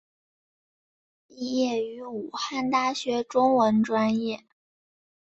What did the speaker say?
毕业于武汉大学中文专业。